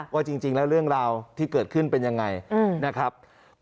ว่าจริงแล้วเรื่องราวที่เกิดขึ้นเป็นยังไงนะครับ